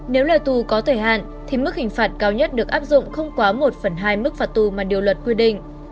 nếu là tù có thời hạn thì mức hình phạt cao nhất được áp dụng không quá một phần hai mức phạt tù mà điều luật quy định